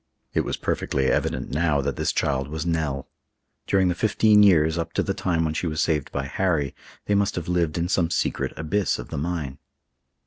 It was perfectly evident now that this child was Nell. During the fifteen years, up to the time when she was saved by Harry, they must have lived in some secret abyss of the mine.